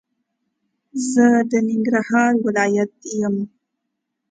زه د ننګرهار ولايت يم